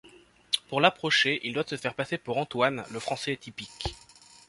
Pour l'approcher, il doit se faire passer pour Antoine, le français typique.